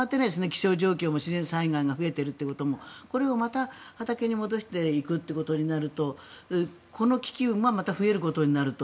気象状況も、自然災害が増えているということもこれがまた畑に戻していくということになるとこの危機がまた増えることになると。